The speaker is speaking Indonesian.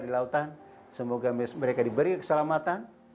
di lautan semoga mereka diberi keselamatan